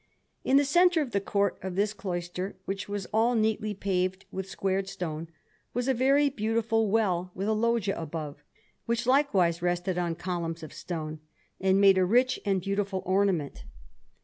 In the centre of the court of this cloister, which was all neatly paved with squared stone, was a very beautiful well, with a loggia above, which likewise rested on columns of stone, and made a rich and beautiful ornament.